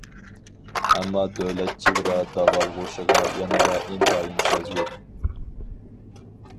ئەمما دۆلەت چېگرا داۋالغۇشىغا يەنىلا ئىنتايىن سەزگۈر.